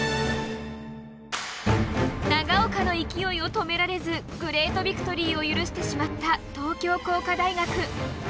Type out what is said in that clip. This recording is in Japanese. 長岡の勢いを止められずグレートビクトリーを許してしまった東京工科大学。